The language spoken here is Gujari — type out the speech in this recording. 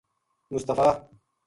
مصطفی